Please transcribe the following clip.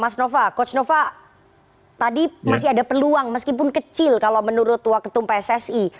mas nova coach nova tadi masih ada peluang meskipun kecil kalau menurut waketum pssi